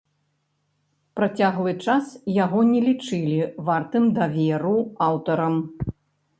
Працяглы час яго не лічылі вартым даверу аўтарам.